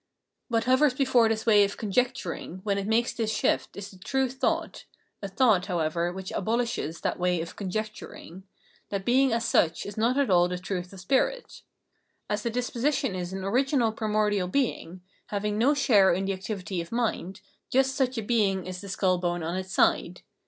What hovers before this way of "conjecturing " when it makes this shift is the true thought, — a thought, how ever, which abohshes that way of " conjecturing," — that being as such is not at all the truth of spirit. As the disposition is an original primordial being, having no share in tlie activity of mind, just such a being is the skull bone on its side.